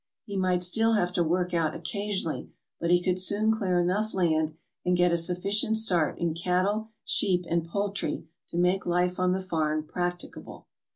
"He might still have to work out occasionally, but he could soon clear enough land and get a sufficient start in cattle, sheep, and poultry to make life on the farm practi cable.